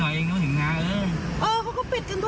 มันเป็นไปไม่ได้ว่าปิดทอง